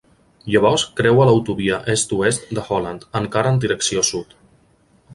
Llavors creua l'autovia est-oest de Holland, encara en direcció sud.